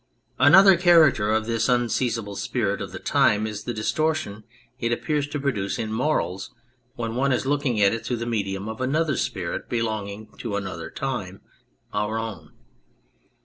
Another character of this unseizable spirit of the time is the distortion it appears to produce in morals when ene is looking at it through the medium of another spirit belonging to another time our own.